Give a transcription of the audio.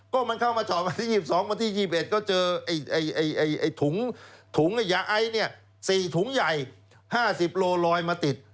ก็มันเข้ามาจอดวันที่๒๒วันที่๒๑ก็เจอถุงยาไอเนี่ย๔ถุงใหญ่๕๐โลลอยมาติด